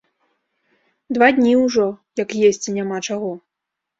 Два дні ўжо, як есці няма чаго.